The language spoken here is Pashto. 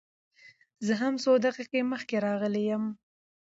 زه هم څو دقيقې مخکې راغلى يم.